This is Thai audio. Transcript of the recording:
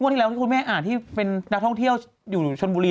ที่แล้วที่คุณแม่อ่านที่เป็นนักท่องเที่ยวอยู่ชนบุรี